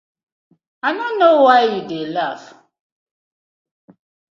I no no wai yu dey laff.